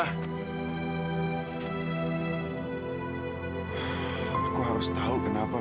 aku harus tau kenapa mil